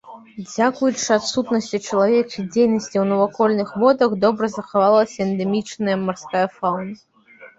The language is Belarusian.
Дзякуючы адсутнасці чалавечай дзейнасці ў навакольных водах добра захавалася эндэмічная марская фаўна.